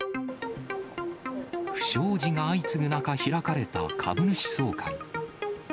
不祥事が相次ぐ中、開かれた株主総会。